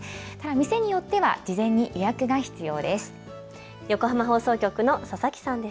店によっては事前に予約が必要です。